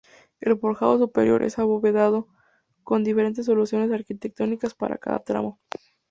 El forjado superior es abovedado, con diferentes soluciones arquitectónicas para cada tramo.